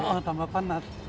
oh tambah panas